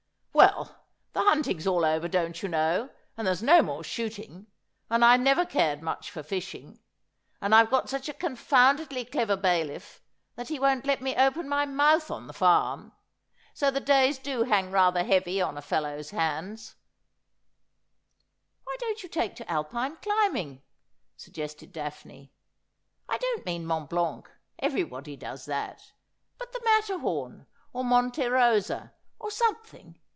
' Well, the hunting's all over, don't you know, and there's no more shooting, and I never cared much for fishing, and I've got such a confoundedly clever bailiff that he won't let me open my mouth on the farm. So the days do hang rather heavy on a fellow's hands.' E 66 Asphodel. ' Why don't you take to Alpine climbing ?' suggested Daphne. ' I don't mean Mont Blanc — everybody does that — but the Matterhorn, or Monte Rosa, or something.